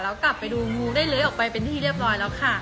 แล้วกลับไปดูงูได้เลื้อยออกไปเป็นที่เรียบร้อยแล้วค่ะ